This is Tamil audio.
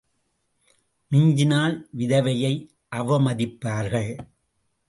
மிஞ்சினால் விதவையை அவமதிப்பார்கள்.